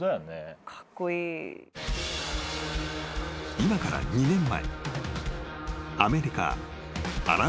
［今から２年前］